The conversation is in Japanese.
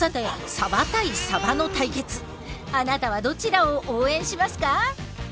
さてあなたはどちらを応援しますか？